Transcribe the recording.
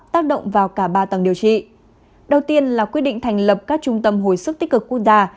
tác động vào cả ba tầng điều trị đầu tiên là quyết định thành lập các trung tâm hồi sức tích cực quốc gia